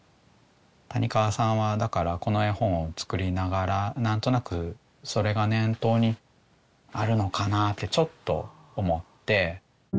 谷川さんはだからこの絵本を作りながら何となくそれが念頭にあるのかなってちょっと思って。